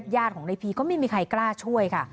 ญาติของในพีก็ไม่มีใครกล้าช่วยค่ะ